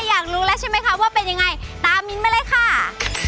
อยากรู้แล้วใช่ไหมคะว่าเป็นยังไงตามมิ้นมาเลยค่ะ